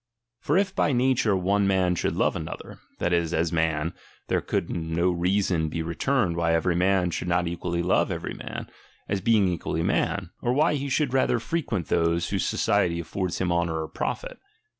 For if by nature one man should love another, that is, as man, there could no reason be returned why every man should not equally love every man, as being equally man ; or why he should rather frequent those, whose society aflFords him honour or profit.